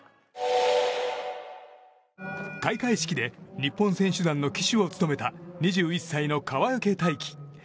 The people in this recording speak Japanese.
開会式で日本選手団の旗手を務めた２１歳の川除大輝。